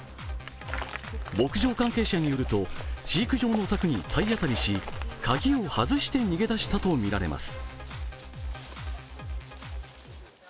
牧場関係者によると飼育場の柵に体当たりし鍵を外して逃げ出したとみられます。